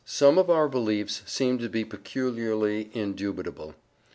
Some of our beliefs seem to be peculiarly indubitable.